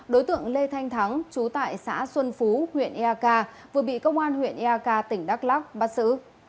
đối tượng lê thanh thắng trú tại xã xuân phú huyện ea ca vừa bị công an huyện ea ca tỉnh đắk lóc bắt xử